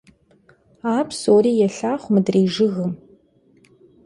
A psori yêlhağu mıdrêy jjıgım.